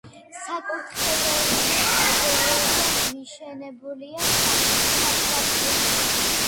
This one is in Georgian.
საკურთხეველში კედელზე მიშენებულია სატრაპეზო.